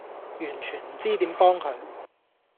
完全唔知點幫佢